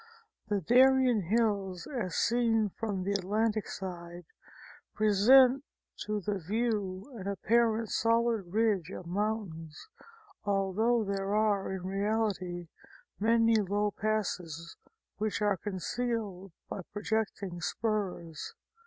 The Darien hills as seen from the Atlantic side present to the view an apparently solid ridge of mountains, although there are in reality many low passes which are concealed by projecting spurs.